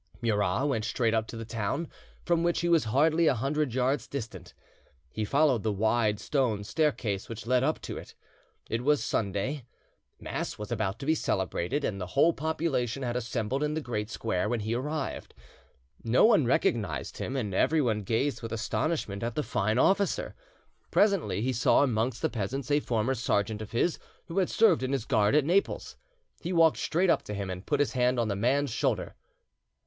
Murat went straight up to the town, from which he was hardly a hundred yards distant. He followed the wide stone staircase which led up to it. It was Sunday. Mass was about to be celebrated, and the whole population had assembled in the Great Square when he arrived. No one recognised him, and everyone gazed with astonishment at the fine officer. Presently he saw amongst the peasants a former sergeant of his who had served in his guard at Naples. He walked straight up to him and put his hand on the man's shoulder.